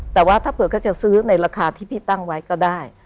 แต่ว่าถ้าเผื่อก็จะซื้อในราคาที่พี่ตั้งไว้ก็ได้